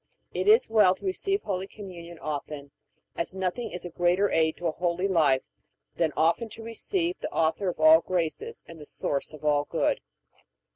It is well to receive Holy Communion often, as nothing is a greater aid to a holy life than often to receive the Author of all grace and the Source of all good.